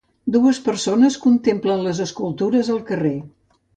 Dues persones contemplen les escultures al carrer.